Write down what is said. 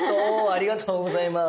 ありがとうございます。